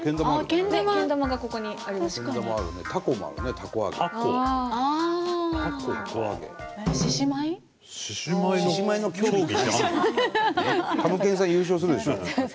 たむけんさん優勝するでしょうね。